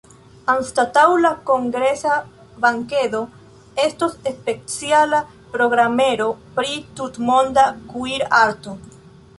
Anstataŭ la kongresa bankedo, estos speciala programero pri tutmonda kuir-arto.